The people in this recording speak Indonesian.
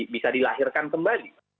bisa dilahirkan kembali